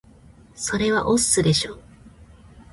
それは押忍でしょ